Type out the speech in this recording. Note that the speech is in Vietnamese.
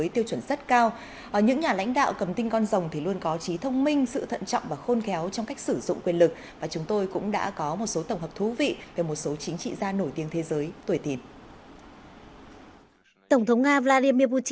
tổng thống nga vladimir putin sinh ngày một mươi tháng bảy năm một nghìn chín trăm năm mươi hai tại leningrad